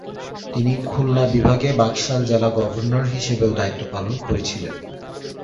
তিনি খুলনা বিভাগে বাকশাল জেলা গভর্নর হিসেবেও দায়িত্ব পালন করেছিলেন।